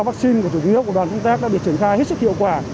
vaccine của chủ yếu của đoàn công tác đã được triển khai hết sức hiệu quả